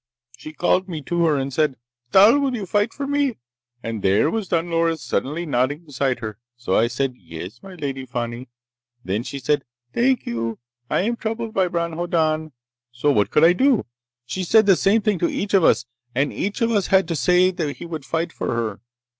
She called me to her and said, 'Thal, will you fight for me?' And there was Don Loris suddenly nodding beside her. So I said, 'Yes, my Lady Fani.' Then she said; 'Thank you. I am troubled by Bron Hoddan.' So what could I do? She said the same thing to each of us, and each of us had to say that he would fight for her.